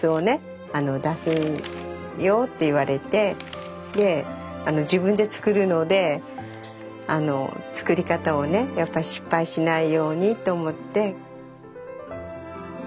出すんよって言われてで自分で作るので作り方をねやっぱ失敗しないようにと思って。